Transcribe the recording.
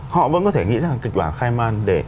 họ vẫn có thể nghĩ ra một cái kịch bản khai man